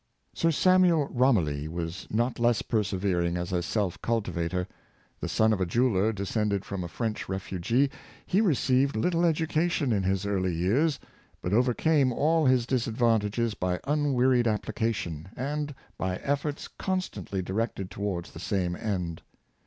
Sir Samuel Romilly was not less persevering as a self cultivator. The son of a jeweler, descended from a French refugee, he received little education in his early years, but overcame all his disadvantages by un wearied application, and by efforts constantly directed towards the same end.